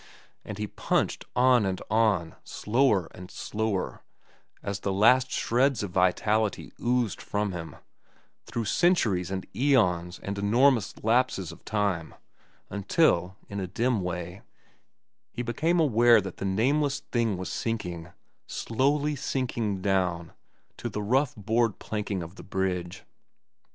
And he punched on and on, slower and slower, as the last shreds of vitality oozed from him, through centuries and aeons and enormous lapses of time, until, in a dim way, he became aware that the nameless thing was sinking, slowly sinking down to the rough board planking of the bridge.